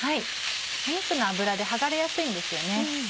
お肉の脂で剥がれやすいんですよね。